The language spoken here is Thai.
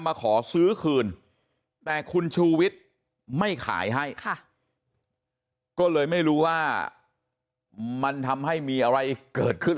มาขอซื้อคืนแต่คุณชูวิทย์ไม่ขายให้ค่ะก็เลยไม่รู้ว่ามันทำให้มีอะไรเกิดขึ้น